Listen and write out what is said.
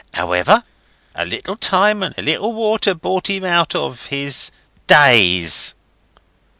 However, a little time and a little water brought him out of his DAZE."